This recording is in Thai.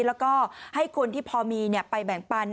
แล้วก็ให้คนที่พอมีไปแบ่งปัน